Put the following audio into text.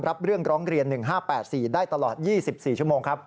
รับเรื่องร้องเรียน๑๕๘๔ได้ตลอด๒๔ชั่วโมงครับ